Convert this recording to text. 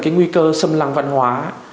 nguy cơ xâm lăng văn hóa